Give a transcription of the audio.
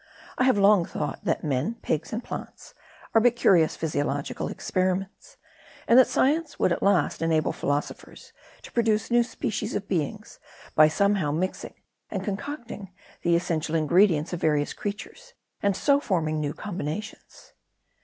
I have long thought, that men, pigs, and plants, are but curious physiological experiments ; and that science would at last enable philosophers to produce new species of beings, by somehow mixing, and concocting the essential ingredients of various creatures ; and so forming new combinations.'